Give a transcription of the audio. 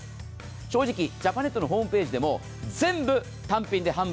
正直ジャパネットのホームページでも全部単品で販売。